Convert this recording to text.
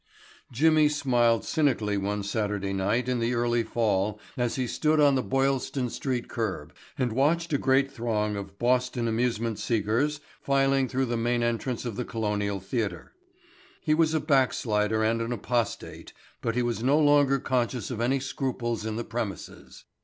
Jimmy smiled cynically one Saturday night in the early fall as he stood on the Boylston Street curb and watched a great throng of Boston amusement seekers filing through the main entrance of the Colonial Theatre. He was a backslider and an apostate, but he was no longer conscious of any scruples in the premises.